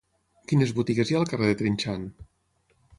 Quines botigues hi ha al carrer de Trinxant?